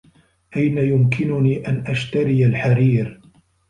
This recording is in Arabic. أين يمكنني أن أشتري الحرير؟